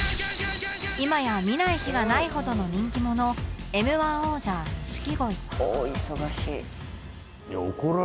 今や見ない日はないほどの人気者 Ｍ−１ 王者錦鯉